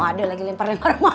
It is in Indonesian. ada lagi untuk lempar manggung